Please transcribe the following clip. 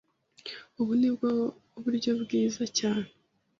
Ubu ni bwo buryo bwiza cyane.